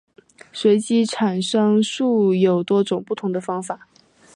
产生随机数有多种不同的方法。